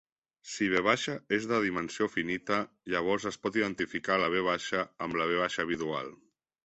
Si "V" és de dimensió finita, llavors es pot identificar la "V" amb la "V" bidual.